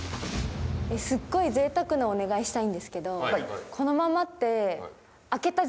すっごいぜいたくなお願いしたいんですけど動きが見たいです。